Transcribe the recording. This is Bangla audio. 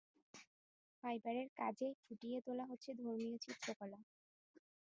ফাইবারের কাজে ফুটিয়ে তোলা হচ্ছে ধর্মীয় চিত্রকলা।